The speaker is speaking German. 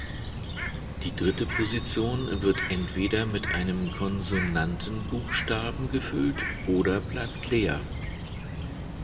Die dritte Position wird entweder mit einem Konsonantenbuchstaben gefüllt oder bleibt leer.